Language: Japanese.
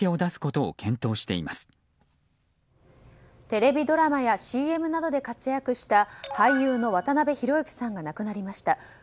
テレビドラマやＣＭなどで活躍した俳優の渡辺裕之さんが亡くなりました。